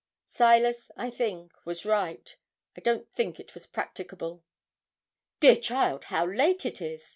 Silas, I think, was right. I don't think it was practicable. 'Dear child, how late it is!'